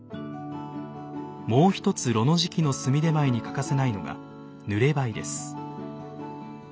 もう一つ炉の時期の炭点前に欠かせないのが「ぬれ灰」です。